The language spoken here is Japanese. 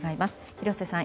廣瀬さん